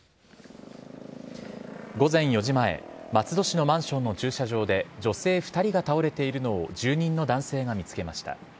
午前４時前松戸市のマンションの駐車場で女性２人が倒れているのを住人の男性が見つけました。